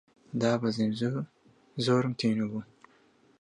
دابەزیم، زۆرم تینوو بوو